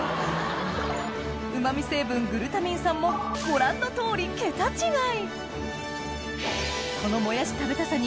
うま味成分グルタミン酸もご覧の通り桁違い！